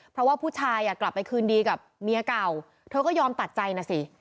เพราะว่าผู้ชายอ่ะกลับไปคืนดีกับเมียเก่าเธอก็ยอมตัดใจนะสิ